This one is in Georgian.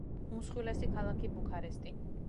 უმსხვილესი ქალაქი ბუქარესტი.